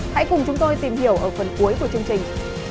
hãy cùng chúng tôi tìm hiểu ở phần cuối của chương trình